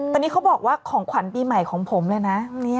แต่นี่เขาบอกว่าของขวัญปีใหม่ของผมเลยนะ